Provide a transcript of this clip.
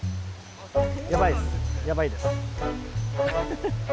やばいですやばいです。